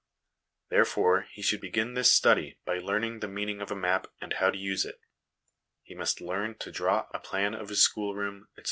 Therefore he should begin this study by learning the meaning of a map and how to use it. He must learn to draw a plan of his schoolroom, etc.